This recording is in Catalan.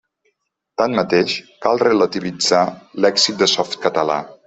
Tanmateix, cal relativitzar l'èxit de Softcatalà.